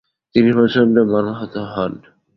তিনি প্রচণ্ড মর্মাহত হন।